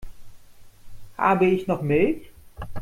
Habe ich noch Milch?